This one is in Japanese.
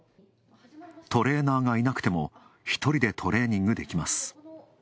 トレーナーがいなくても、１人でトレーニングできます。